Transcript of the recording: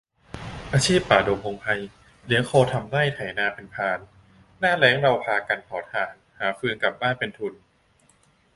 อาชีพป่าดงพงไพร เลี้ยงโคทำไร่ ไถนาเป็นพราน หน้าแล้งเราพากันเผาถ่าน หาฟืนกลับบ้านเป็นทุน